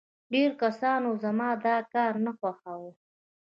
ډېرو کسانو زما دا کار نه خوښاوه